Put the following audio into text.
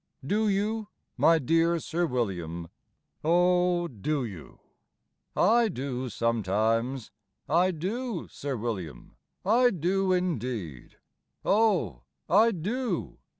Do you, my dear Sir William? O do you? I do sometimes. I do, Sir William, I do indeed. O, I do!